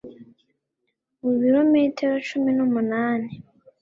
mu bilometero cumi numunani